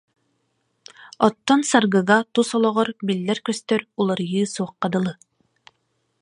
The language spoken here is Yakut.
Оттон Саргыга тус олоҕор биллэр-көстөр уларыйыы суохха дылы